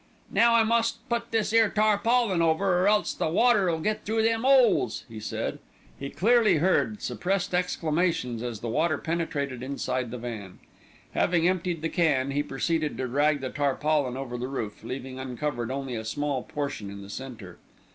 "Now I must put this 'ere tarpaulin over, or else the water'll get through them 'oles," he said. He clearly heard suppressed exclamations as the water penetrated inside the van. Having emptied the can, he proceeded to drag the tarpaulin over the roof, leaving uncovered only a small portion in the centre.